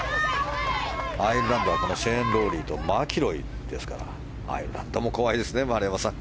アイルランドはこのシェーン・ロウリーとマキロイですからアイルランドも怖いですね丸山さん。